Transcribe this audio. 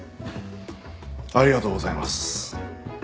ありがとうございます。